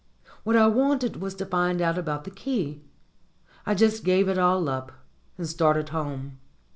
What I wanted was to find out about the key. I just gave it all up, and started home.